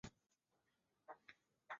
圣蒂尔。